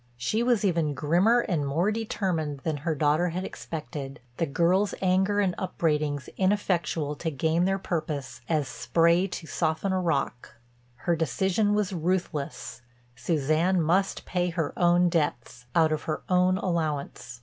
She was even grimmer and more determined than her daughter had expected, the girl's anger and upbraidings ineffectual to gain their purpose as spray to soften a rock. Her decision was ruthless; Suzanne must pay her own debts, out of her own allowance.